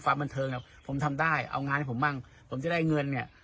ความบันเทิงเนี่ยผมทำได้เอางานให้ผมบ้างผมจะได้เงินเนี่ย